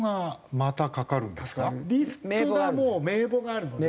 リストがもう名簿があるので。